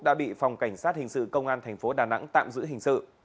đã bị phòng cảnh sát hình sự công an tp đà nẵng tạm giữ hình sự